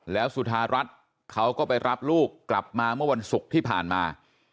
แล้วสุธารัฐเขาก็ไปรับลูกกลับมาเมื่อวันศุกร์ที่ผ่านมา